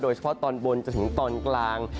เฉพาะตอนบนจนถึงตอนกลาง